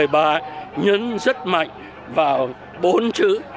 đã nhấn rất mạnh vào bốn chữ